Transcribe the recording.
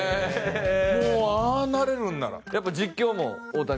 もうああなれるんなら。